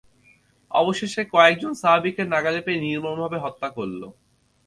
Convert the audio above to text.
অবশেষে কয়েকজন সাহাবীকে নাগালে পেয়ে নির্মমভাবে হত্যা করল।